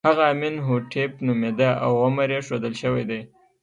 هغه امین هوټېپ نومېده او عمر یې ښودل شوی دی.